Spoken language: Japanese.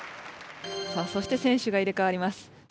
さあそして選手が入れかわります。